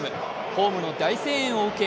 ホームの大声援を受け